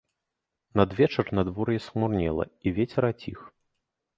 Надвечар надвор'е схмурнела і вецер аціх.